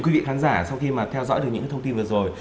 quý vị khán giả sau khi mà theo dõi được những thông tin vừa rồi